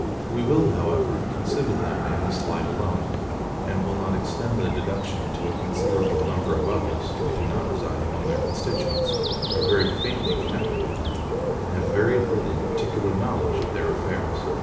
We will, however, consider them in this light alone, and will not extend the deduction to a considerable number of others, who do not reside among their constitutents, are very faintly connected with them, and have very little particular knowledge of their affairs.